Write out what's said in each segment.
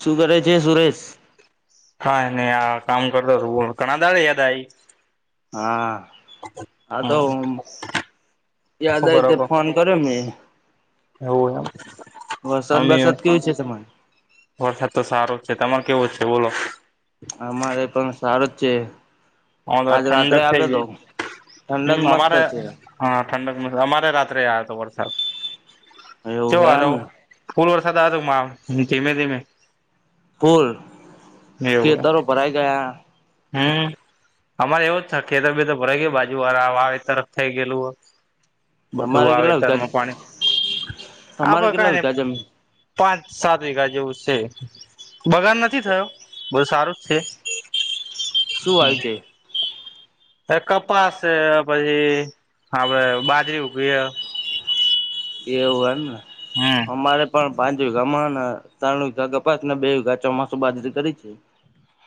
શું કરે છે, સુરેશ. હા નને આ કામ [unintelligible] ઘણા [unintelligible] હા હા તો હમ યાદ શું [unintelligible] કરો તે કો ફોન કરેમે. એવું એમ. વરસાદ બરસાદ [unintelligible] છે, તમારે. વરસાા તો સાર હ છે, તમાર [unintelligible] છે, બલો. અમારે પણ સારો જ છે. [unintelligible] આજ રાત્રે ઠંડક થઇ આવેલો જઈ ઠંડક હમ મસ્ત અમારે. છે. હા ઠંડક અમારે રાત્રે [unintelligible] હતો વરસાદ એવું જો હે આ [unintelligible] એમને ફૂલ વરસાદ આવ હતો માવ ધીમે ધીમે ફૂલ એવું ખીતરો ભરાઈ ગયા. [inaudible] અમારે એવો જ છે, ખેતર બેતર તો ભરાઈ ગય બાજુ વાળા સરસ થઈ ગયેલું [unintelligible] બધું તમારે આવે કેટલા [unintelligible] વિઘા પાણી તમારે [unintelligible] કઈ કેટલા નઈ. વિઘા જમીન પાંચ સાત વઘા જેવું છે, બગડ નથી થયો બહુ સારું જ છે. શું [unintelligible] છે. અ કપાસ પછી આપડે બાજરી [unintelligible] એવું હમ [unintelligible] અમારે. પણ પાંચ વિઘા ને ત્રણ વઘા કપાસ ને બેઘા ચોમાસું બાજરી કરી છે.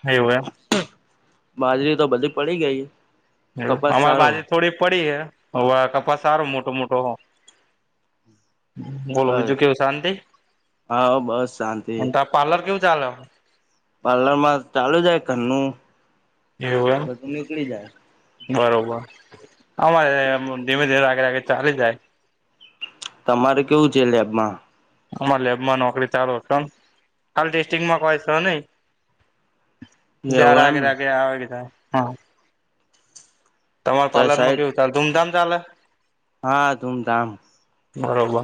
હવું એમ. બાજરી તો બધી પડી ગઈ. કપાસ અમારી સારો બાજી થોડી પડી હ [unintelligible] કપાસ સારો મોટો મોટો બોલો હ બીજું કેવું શાંતિ હા બસ શાંતિ અને ત પાર્લર કેવું [unintelligible] પાર્લર માં ચાલુ જાય ઘરનું. એવું બધું નીકળી જાય એમ બરોબર અમારે ધીમે ધીમે [unintelligible] ચાલે જાય. તમારે કેવું છે, લેબમાં. અમારા લેબમાં નોકરી ચાલુ છોમ ટેસ્ટંગમાં કઈ છે, [unintelligible] નહી. એવું એમને [inaudible] તમારા ચાર પાર્લર માં સાઈડ કેવું ચાલે ધૂમધામ ચાલે. હા ધૂમધામ બરોબર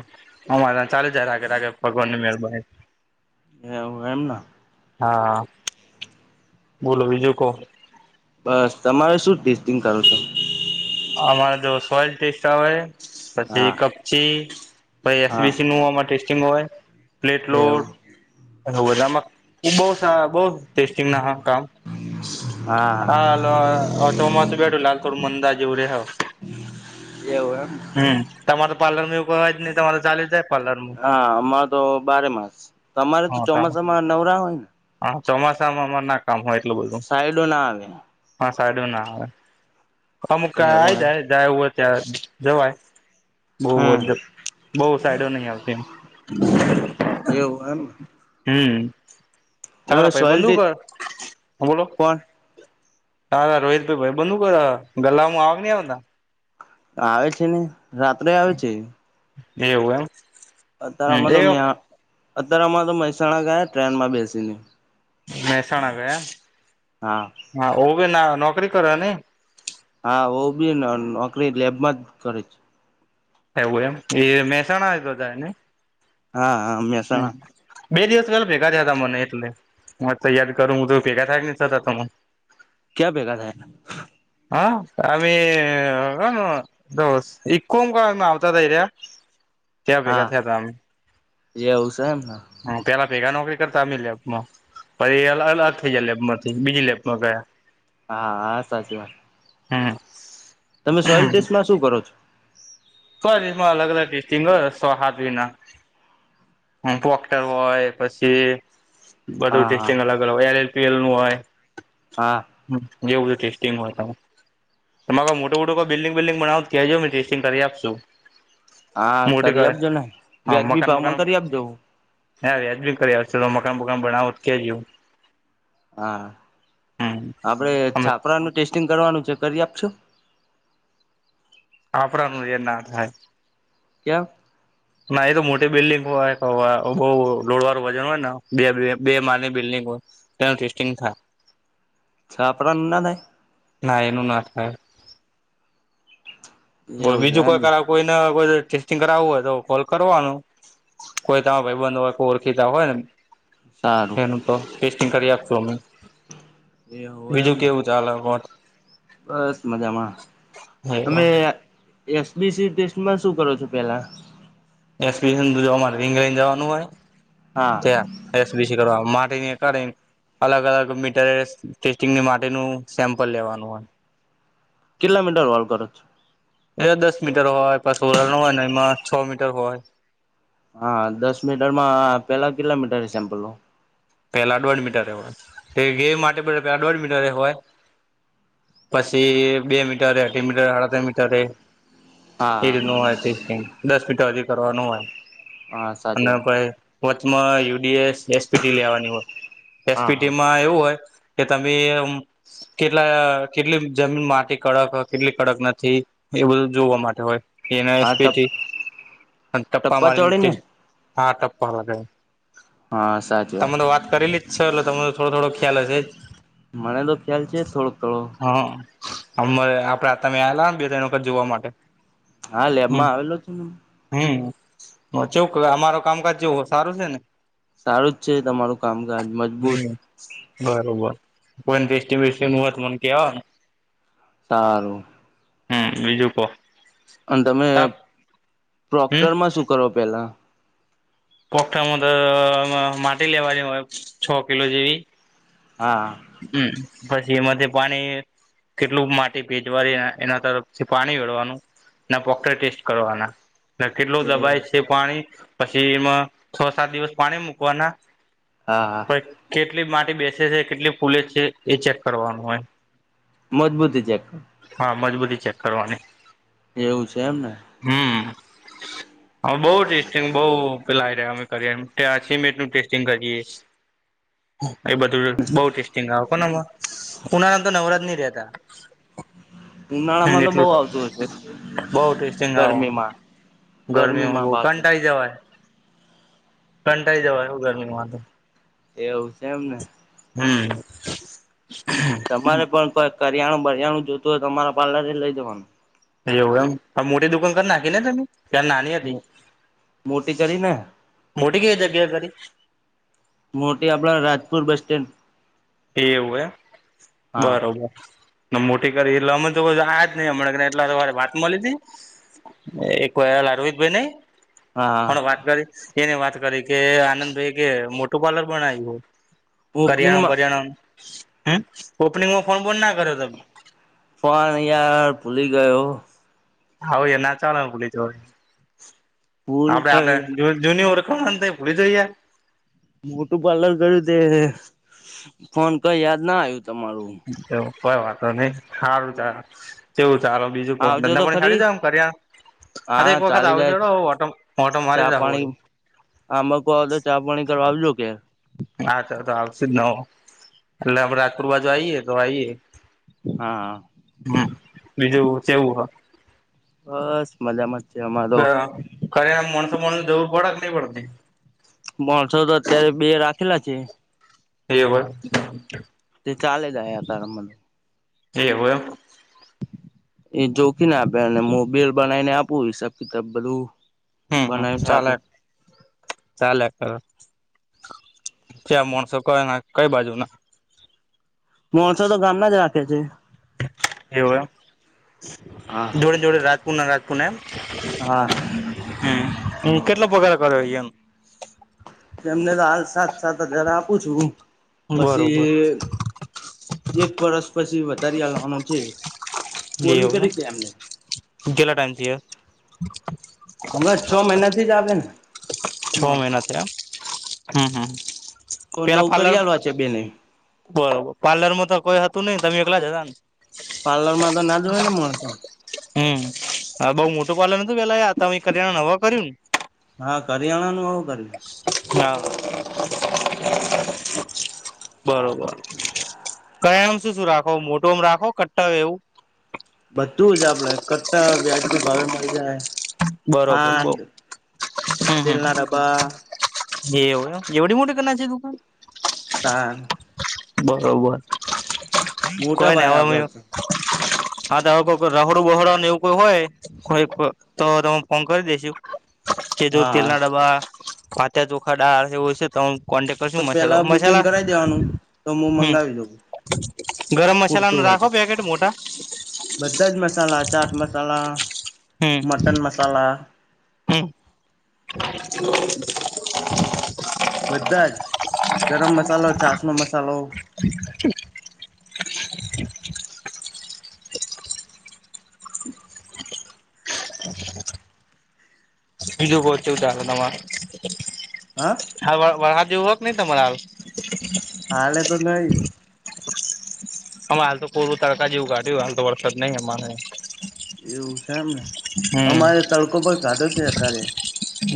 અમારે ત્યા ચાલે જાય રાગે રાગે ભગવાન ની [unintelligible] એ એમ ના. હા બોલો બીજું કો. બસ તમારે શું ટેસ્ટિંગ કરો છો. અમારે જો સોઈલ ટેસ્ટ આવે પછી હા કપચી હા એસબીસી નું આ ટેસ્ટિંગ હોય પ્લેટ લોટ એવું બધામાં [unintelligible] ટેસ્ટિંગ ના હ કામ હા હાાલ ઓટો મા બેઠો લાલ કોર મંદા જ એવું ર એવું એમ હમ તમારે પાર્લર માં એવું જ નહી તમારે ચાલે જ જાય પાર્લરમાં હા અમારે તો બારે માસ તમારે તો હા ચોમાસામાં નવરા હોય ને હા ચોમાસામાં અમાર ના કામ હોય એટલું બધું સાઈડો ના આવે હ સાડું ના આવે અમુક ક આઈ એવું એમ જાય જાયું હોય ત્યાં જવાય. હમ બહ બહ સાઈડો નહીં આવતી એવું એમ એ હમ તમે ખરા ભાઈ સોઈલ બંધુ કર હ બોલો કોણ હાા રોહિત ભાઈબંદ હું કર હ ગલ્લામાં આવે કે નહીં આવતા આવે છે ને રાત્રે આવે છે. એવું એમ. અત્યારે હમ આમાં તો મ્યા એ અત્યારે આમાં તો મહેસાણા ગયા ટ્રેનમાં બેસીને મહેસાણા ગયા. હા હા ઓવેી ના નોકરી કરો ને હા ઓવ બી નોકરી લેબમાં જ કરે છે. એવું એમ એ મહેસાણાતો થાય ને. હા હા હમ મહેસાણા બે દિવસ પેલા ભેગા થયા તા મને એટલે તૈયારી કરું હું તો ભેગા થાય ન થતા તને ક્યા ભેગા થયા. હા અમે હ ઇકો માં આવતા થયા. ત્યાં ભેગા હા હતા એવું છે એમ ન હ પેલા ભેગા નોકરી કરતા અમે લેબમાં પછ એ અલગ થઈ જાય લેબમાંથી બીજી લેબમાં ગયા. હા હા સાચી વાત હા તમે સોયલ ટેસ્ટમાં શું કરો છો સમાં અલગ અલગ ટેસ્ટિંગ વિના પોક્ટર હોય પછી બધું હા હા ટેસ્ટિંગ અલગ અલગ હો એલ એલપીએલ નું હોય. હા. હ જે એવું બધું ટેસ્ટિંગ હોય તમે તમારે કોઈ મોટો મોટો કોઈ બિલ્ડિંગ બિલ્ડિંગ બનાવ ત્યાજો મં ટેસ્ટિંગ કરી આપશું. હા મોટી કરી કરે આપજો ને હા વ્યાજબી મકાન બકાન ભાવમાં કરી આપજો. હા વ્યાજ બી કરી આવો મકાન બકાન બનવાનું તો કેજો હા હમ આપડે અમે છાપરાનું ટેસ્ટિંગ કરવાનું છે કરી આપશો. આપણા ન જે ના થાય. ક્યા. ના એ તો મોટી બિલ્ડિંગ હોય બહુ લોડવાળું વજન હોય ને બે બે માલ ની બિલ્ડિંગ હોય ત્યાં ટેસ્ટિંગ થાય છાપડા માં ના થાય ના એનું ના થાય થાય એવું છે બીજું એમ કોઈ ને. કરા કોઈ ટેસ્ટિંગ કરું હોય તો કોલ કરવાનું કો તમા ભાઈંધ હોય. ીધા હોયને સારું એનું તો ટેસ્ટિંગ કરી આપશું અમે એવું બીજું એમને કેવું ચાલે કોત બસ મજામાં તમે- એસબીસી ટેસ્ટમાં શું કરો છો પેલા એક્સપિરય જોવા મળ રિંગ રેન્જ જવાનું હોય હા ત્યાં એસ બીસી કરવા માટી કાઢ- અલગ અલગ મીટરિય ટેસ્ટિંગની માટેનું સેમ્પલ લેવાનું હોય. કેટલા મીટર વોલ કરો છો એ દસ મીટર હોય પાછ ઓરા નો હોય ને એમાં છ મીટર હોય. હા દસ મીટર માં પેલા કેટલા મીટર સેમ્પલ નું પેલા દોઢ મીટર હોય એ ગે માટે પ પેલા દોઢ મીટર હોય. પછી બે મીટર અઢી મીટર અડત મીટર એ હા રીતનું હોય ત્રીસ દસ મીટી કરવાનું હોય હા સાચી અને વાત પ વચમાં યુડીએસ એસપીટી લેવાની હોય હા હા એસપીટી માં એવું હોય. કે તમે કેટલા કેટલી જમીન માટી કડક કેટલી કડક નથી. એ બધું જોવા માટે હોય. એનેસ હા ટપ પીટી અને ટપ્પા ચોડી મારીને ને હા ટપાગ- હા સાચ તમે તો વાત કરીલી જ છે. એટલે તમરો થોડો થોડો ખ્યાલ હશે જ મને તો ખ્યાલ છે થોડોક થોડો- હા અરે આપડે તમે આલા ને બે ત વખત જોવા માટે- હા લેબ હમ માં આવેલો છે. ને- હમ હ ચ અમારો કામકાજ જોવો સારું છે. ને- સારું જ છે તમારું કામકાજ મજ- હમ બરોબર કોઈ ટેસ્ટીસ્ટી ન હોત મને કેવાને- સારું હમ બીજું કો અને તમે હમ પ્રોક્ટર માં શું કરો પેલા? પોખામાં તો માટી લેવાની હોય છ કિલો જેવી. હા હમ્મ, પછી એમાં પાણી કેટલું માટી પેચવાની એના તરફથી પાણી વળવાનું ના, પોકે ટેસ્ટ કરવાના કેટલું એ દબાય છે પાણી પછી એમાં છ સાત દિવસ પાણી મૂકવાના હા હા કોઈ- કેટલી માટી બેસે છે કેટલી પુલે છે એ ચેક કરવાનું હોય. મજબૂત છે. હા મજબૂતી ચેક કરવાની- એવું છે એમને- હમ હ બહ ટેસ્ટિંગ બઉ- અમે મિનટ ટેસ્ટિંગ કરીએ- એ બધું બઉ ટેસ્ટિંગ કો ના ઉના નામ તો નવરાત ન રતા હ ઉનાળામાં તો બહુ એટલું આવતું હશે બહ ટેસ્ટિંગ આવે ગરમીમાં - ગરમી હો ગરમીમાં પાછું કાંટાળી જવાય કાંટાળી જવાય ગરમીમાંંધ- એવું છે. એમ ને- હમ્મ. તમારે પણ કોઈ કરિયાણું, બરિયાણું જોતું હોય તમારા પાર્લર લઈ જવાનું. એવું એમ, મોટે દુકાન નાખી ને તમે તાર નાની હતી મોટી કરીને મોટી કઈ જગ્યા કરી મોટી આપણા રાજપુર બસ સ્ટેન્ડ એ એવું હા, હા બરોબર. મોટી કરી એટલે અમે તો [unintelligible] જ નહી હમણાં એટલા તો વાત મળી હતી. એક મિનિટ અરહિતભાઈ નઈ હા પણ વાત કરી? એને વાત કરી કે આનંદભાઈ કે મોટું પાર્લર બનાવ્યું કરિયાણા ઓપનિંગમાં હા, ઓપનિંગમાં ફોન બંધ ના કર્યો તમે? પણ યાર ભૂલી ગયો. હા, એ નાચવાળને ભૂલી જો ભૂલી આપણે ગયો યાર આટલી જૂની ઓળખાણ ખૂલી જઈએ. બ્યુટીપાર્લર કર્યું તે ફોન કરવાની યાદ ના આવ્યું તમારું. એવું કોઈ વાતો નઈ સારું કેવું ચાલો બીજું કો આવજો ધંધા તો પાણી સારી ખરી રીતે કરી રહ્યા? અરે હા એક વખત ચાલી જાય આવડો ઓટો મારી જખું પડે આમાં કો તો ચા-પાણી કરવા આવજો કે હા, તો આવશે જ નવ એટલે અમે રાજકોર બાજુ તો આઈએ આઈએ. હા. હમ્મ, બીજું ચેવુ હ? બસ મજામાત છે, અમાતો? ખરે આમ માણસો-માણસ જવર પડે કે નહીં પડતી માણસો તો અત્યારે બે રાખેલા છે. એે ભાઈ ચાલ જાયે અત્યારે મને એેવું એમ એ જોખીને આપે અને મોકરેલુ બનાવીને આપું હિસાબ કિતાબ બધું. હમ્મ, હમ્મ, બનાવીને ચાલે, આપું ચાલે કરે. ક્યા માણસો કઈ બાજુના મોણસો તો ગામના જ રાખે છે. એવું એમ હા જોડે જોડે રાજપુરના રાજતપુ એમ હા. હમ, કેટલા પગારા કર્યો એમ એમને તો હાલ સાત-સાત હાજર આપું છું, બરોબર પછી એક વરસ પછી વધારી હવાનું છે. બોલી એવુ કરી છે એમને એમ કેટલા ટાઈમ થી એ. હમણાં છ મહિનાથી જ આવે ને. છ માણસ મહિના થમ હમ, હમ તો નવ પેરા પાર્લર કરી આલવા છે બેને બરોબર પાર્લરમાં તો કોઈ હતું નહી તમે એકલા જ હતા ને? પારલરમાં તો ના જો હોવેને માણસો. હમ્મ, બઉ મોટો પાર્લ નતું પેલા કરિયાણા નવા કર્યું ને? હા, કરિયાણાનું હવ કરીયુ હા, બરોબર. કરીણામાં શું-શું રાખો મોટોમ રાખો કટ્ટ એવું બધું જ આપણે કટા વ્યાજબી ભાવે મળી જાય. બરોબર બઉ ખાંડ, હમ હમ તેલના ડબા એવું એવડી મોટી કના છે, દુકાન હા. બરોબર. મોટા કોઈ ને ભાઈ હવે અમે આપડા તો. હા તો રાહોડું બહોડને એવું કોઈ હોય. કોઈ તો તમે ફોન કરી દઈશું. કે જો તેલ હા ના ડબ્બા વાત્યા ચોખા ડળ એ હોય છે તો. કોન્ટેક તો કરશું મસાલા પેલા બુકિંગ મસાલા. કરાવી દેવાનું તો હું હમ મંગાવી દઉં ગરમ મસાલા ન ખૂટતું હોય રાખો તો પેકેટ મોટા. બધા જ મસાલા ચાટ મસાલા હમ મટન મસાલા. હમ. બધા જ ગરમ મસાલો છાસ નો મસાલો. [unintelligible] [unintelligible] હ [unintelligible] બીજું બોહ કેવું ચાલે તમાર હા હા વરહા જેવુંક નહી તમારા હાલ આલે તો નહી અમે હાલ તો પૂરું તડકા જેવું કાઢ્યું હાલ તો વરસાદ નઈ અમારે એવું છે એમને હમ અમારે તડકો પર કાઢયો છે અત્યારે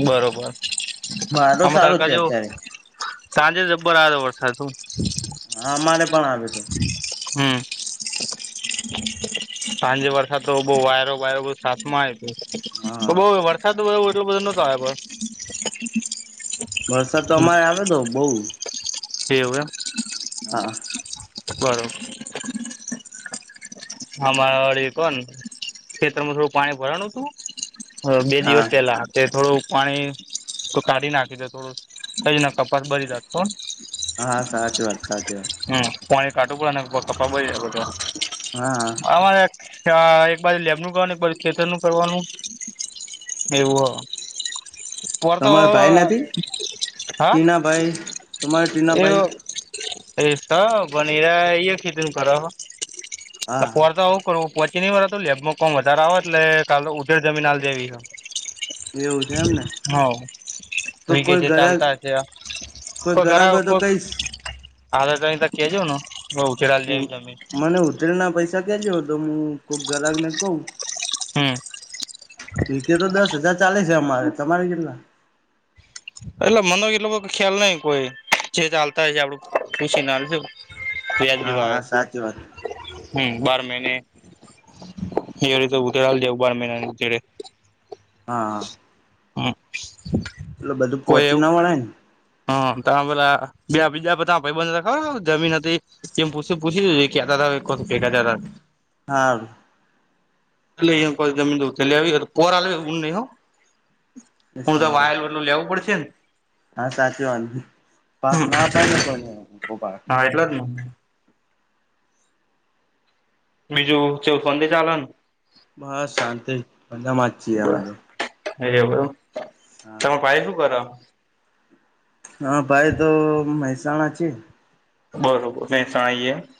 બરોબર વારો આમે સારો તડકા છે અત્યારે જેવું સાંજે જબબર આ વરસાદું હા મારે પણ આવ્યું તું હમ [inaudible] સાંજે વરસાદ તો બઉ વાયરો વાયરો બ સાત માં આવ હા બઉ વરસાદ વરસાદ તો એટલો બધો ન તો આયોપણ વરસાદ તો અમારે આવે તો બઉ એવુ એમ હા બરોબર હમારા કો ખેતરમાં થોડું પાણી ભરાનું તું હ બે હા દિવસ પહેલા તે થોડું પાણી કાઢી નાખી તો થોડું કને કપાસ બરી જતો હા સાચી વાત સાચી વાત પાણી કાઢુ પડે એના બળી જાય બધો હા હા આમાંરે એક બાજુ લેબ નું કરવાનું એક બાજુ ખેતર નું કરવાનું એવુ હ વરતો તમારા ભાઈ નથી હાં ટીનાભાઈ તમારે ટીનાભાઈ એવું એ તો બનેરાએ ખેતીનું કર હા હા પહરચતા આવું કરવું પહોચી ન વાર લેબમાંમ વધારે આવે એટલે કાલ તો ઉધર જમીન હાલ જેવી હ એવું છે એમને હ તો થઈ ગ કોઈ છે ઘરા ચાલતા હશે કોઈ ઘરાક હોઇશ કઈશ આધ ટ ત કેજ ન ઉછરા લેવીજમીન મને ઉતરી ના પૈસા કેજ્યો તો હું કોઈક ગરાકને કહું હમ રકે તો દસ હજાર ચાલે છે અમારે તમારે કેટલા એટલે મનો એ લોકો ખ્યાલ નઈ કોઈ જે ચાલતા હોય છે આપડું પુછી ના વ્યાજબી હા ભાવે હા સાચી વાત હમ બાર મહિને એ રી તો ઉધાર જવું બાર મહિના હા હા હમ [unintelligible] એટલે બધું કોઈ પહોંચી એવું ના વળે ને હા ત ભેલા બ બીજા ભાઈબંધ રખાવ છ જમીન હતી એછ પૂછી દ કે ક્યા દા ક ફેગા હા [inaudible] એ કોઈ જમીન દ લ આવી પોરાનહી હું તો સારું વાયલ વું લેવું પડશે ને હા સાચી વાત પાક ના અપાય ને કોઈ પાક હા એટલા જ ને મી જો ચવથનંદ ચાલ બસ શાંતિ બદામાંી મેો એવ તમે પફું કર [unintelligible] હા ભાઈ તો મહેસાણા છે બરોબર મહેસાણા એમ